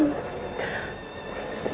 terima kasih ria